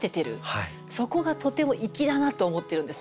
そこがとても粋だなと思ってるんです。